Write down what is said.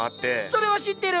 それは知ってる。